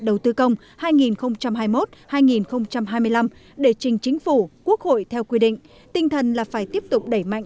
đầu tư công hai nghìn hai mươi một hai nghìn hai mươi năm để trình chính phủ quốc hội theo quy định tinh thần là phải tiếp tục đẩy mạnh